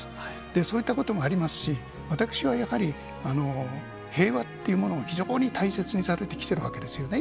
そういったこともありますし、私はやはり、平和というものを非常に大切にされてきているわけですよね。